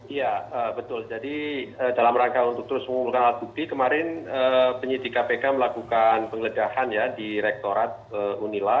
iya betul jadi dalam rangka untuk terus mengumpulkan alat bukti kemarin penyidik kpk melakukan penggeledahan ya di rektorat unila